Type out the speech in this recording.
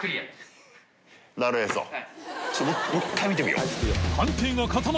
ちょっともう１回見てみよう。